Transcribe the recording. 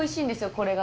これが。